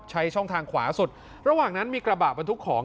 ช่องทางขวาสุดระหว่างนั้นมีกระบะบรรทุกของ